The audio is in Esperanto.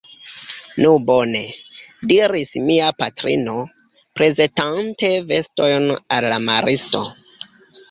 Nu bone! diris mia patrino, prezentante vestojn al la maristo.